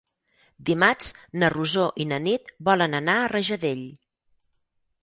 Dimarts na Rosó i na Nit volen anar a Rajadell.